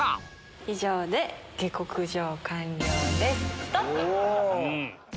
以上で下克上完了です。